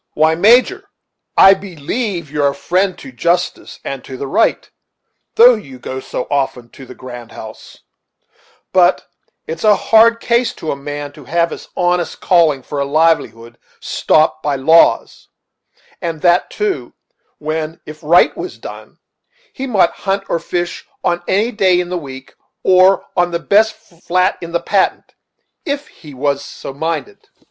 "Why, Major, I believe you're a friend to justice and the right, though you go so often to the grand house; but it's a hard case to a man to have his honest calling for a livelihood stopped by laws, and that, too, when, if right was done, he mought hunt or fish on any day in the week, or on the best flat in the Patent, if he was so minded."